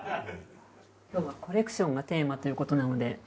今日はコレクションがテーマという事なので。